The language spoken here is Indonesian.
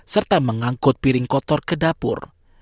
serta mengangkut piring kotor ke dapur